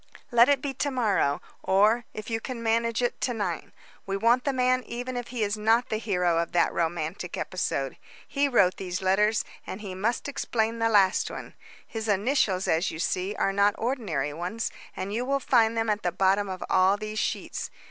"Let it be to morrow, or, if you can manage it, to night. We want the man even if he is not the hero of that romantic episode. He wrote these letters, and he must explain the last one. His initials, as you see, are not ordinary ones, and you will find them at the bottom of all these sheets.